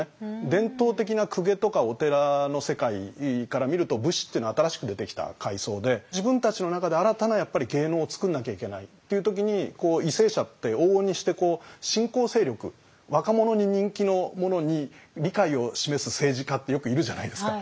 伝統的な公家とかお寺の世界から見ると武士っていうのは新しく出てきた階層で自分たちの中で新たなやっぱり芸能を作んなきゃいけないっていう時に為政者って往々にして新興勢力若者に人気のものに理解を示す政治家ってよくいるじゃないですか。